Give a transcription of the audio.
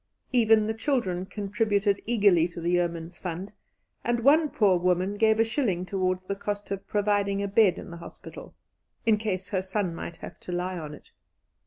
Even the children contributed eagerly to the Yeomen's Fund, and one poor woman gave a shilling towards the cost of providing a bed in the hospital, "in case her son might have to lie on it."